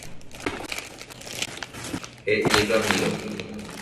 He'i Ramiro.